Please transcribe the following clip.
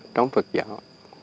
trong phật giáo